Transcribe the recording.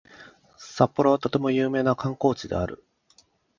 札幌はとても有名な観光地である